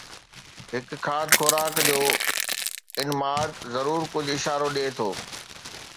هڪ کاڌ خوراڪ جو انماد ضرور ڪجهه اشارو ڏئي ٿو